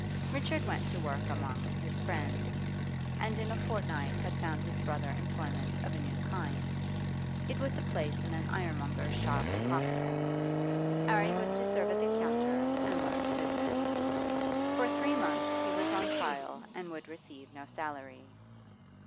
Richard went to work among his friends, and in a fortnight had found his brother employment of a new kind. It was a place in an ironmonger's shop in Hoxton; 'Arry was to serve at the counter and learn the business. For three months he was on trial and would receive no salary.